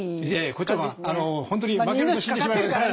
こっちはまあ本当に負けると死んでしまいますから。